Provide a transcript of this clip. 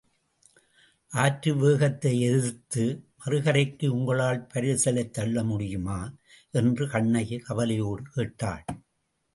ஆற்றுவேகத்தை எதிர்த்து மறுகரைக்கு உங்களால் பரிசலைத் தள்ள முடியுமா? என்று கண்ணகி கவலையோடு கேட்டாள்.